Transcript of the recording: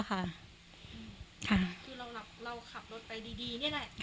ค่ะคือเราเราขับรถไปดีดีนี่แหละค่ะ